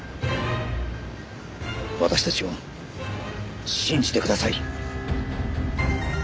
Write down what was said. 私たちを信じてください。